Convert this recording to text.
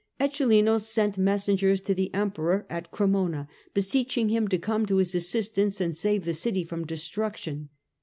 Eccelin sent messengers to the Em peror at Cremona, beseeching him to come to his assis tance and save the city from destruction.